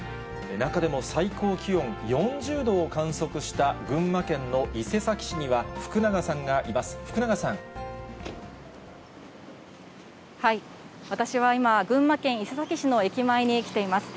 中でも最高気温４０度を観測した群馬県の伊勢崎市には、福永さん私は今、群馬県伊勢崎市の駅前に来ています。